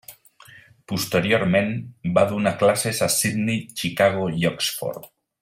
Posteriorment, va donar classes a Sydney, Chicago, i Oxford.